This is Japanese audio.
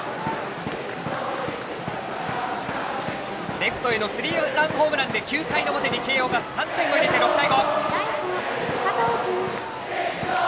レフトへのスリーランホームランで９回の表に慶応が３点を入れて６対５。